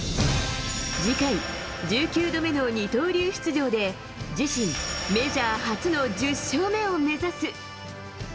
次回、１９度目の二刀流出場で、自身メジャー初の１０勝目を目指す。